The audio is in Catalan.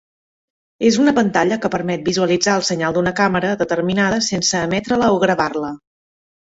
És una pantalla que permet visualitzar el senyal d'una càmera determinada sense emetre-la o gravar-la.